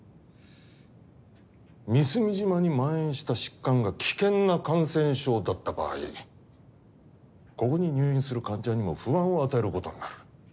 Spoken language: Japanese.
美澄島にまん延した疾患が危険な感染症だった場合ここに入院する患者にも不安を与えることになる。